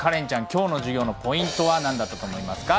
今日の授業のポイントは何だったと思いますか？